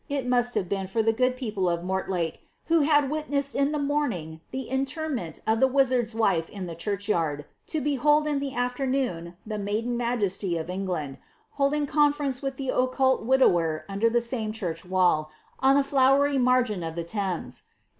it inu«l hare l>een Tor the good people of Mot tlake, t*lio hatt wilneiseJ in the morning the inlennenl of tlw wiEarcfs wife in the cliuruhyird, to b«liolJ in the ariernoon the mkiiteB majesiy of England, holding conference with the occult widower nmtor Ihe same church wall, on the flowery margin of the Thwnes.